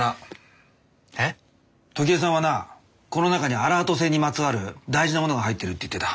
この中にアラート星にまつわる大事なものが入ってるって言ってた。